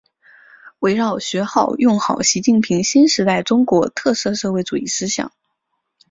围绕学好、用好习近平新时代中国特色社会主义思想